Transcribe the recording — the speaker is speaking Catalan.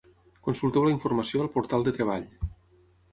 Consulteu la informació al portal de treball.